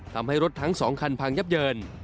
ทำให้รถทั้ง๒คันพังยับเยิน